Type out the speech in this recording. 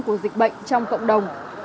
của dịch bệnh trong cộng đồng